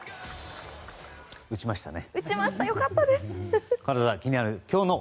打ちましたね。